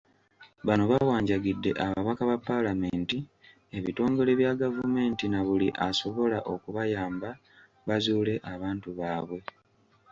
Bano bawanjagidde ababaka ba paalamenti, ebitongole bya gavumenti na buli asobola okubayamba bazuule abantu baabwe.